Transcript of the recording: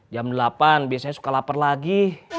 jam delapan biasanya suka lapar lagi